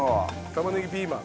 玉ねぎピーマン。